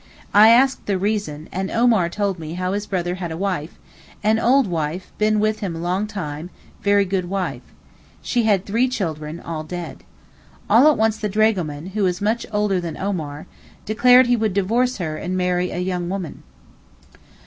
I asked the reason, and Omar told me how his brother had a wife, 'An old wife, been with him long time, very good wife.' She had had three children—all dead. All at once the dragoman, who is much older than Omar, declared he would divorce her and marry a young woman.